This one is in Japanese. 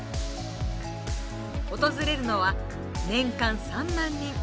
訪れるのは年間３万人。